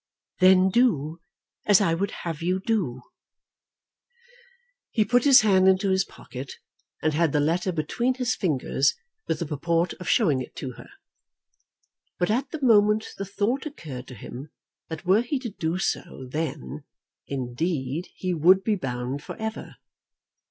"Then do as I would have you do." He put his hand into his pocket, and had the letter between his fingers with the purport of showing it to her. But at the moment the thought occurred to him that were he to do so, then, indeed, he would be bound for ever.